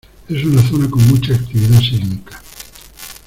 Es una zona con mucha actividad sísmica.